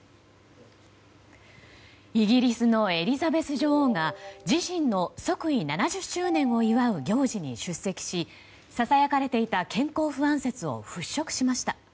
イギリスのエリザベス女王が自身の即位７０周年を祝う行事に出席しささやかれていた健康不安説を払拭しました。